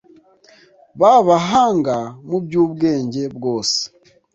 b’abahanga mu by’ubwenge bwose